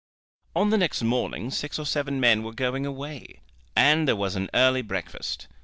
On the next morning six or seven men were going away, and there was an early breakfast.